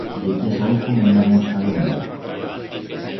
Ye pesau como una mosca de mula.